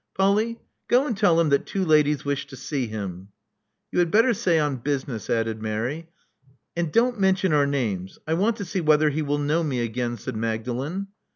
Polly: go and tell him that two ladies wish to see him." "You had better say on business," added Mary. "And don't mention our names. I want to see whether he will know me again," said Magdalen.